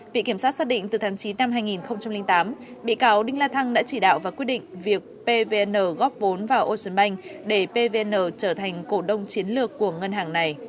viện kiểm sát xác định từ tháng chín năm hai nghìn tám bị cáo đinh la thăng đã chỉ đạo và quyết định việc pvn góp vốn vào ocean bank để pvn trở thành cổ đông chiến lược của ngân hàng này